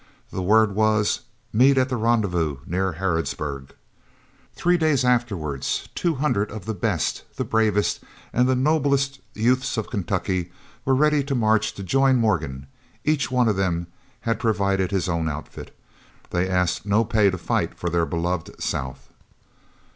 The word was, "Meet at the rendezvous near Harrodsburg." Three days afterwards, two hundred of the best, the bravest, and the noblest youths of Kentucky were ready to march to join Morgan. Each one of them had provided his own outfit. They asked no pay to fight for their beloved South.